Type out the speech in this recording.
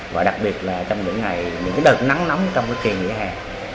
và đặc biệt là trong những ngày những đợt nắng nóng trong kỳ nghỉ hè